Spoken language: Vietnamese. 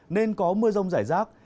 nên có mưa rông giải rác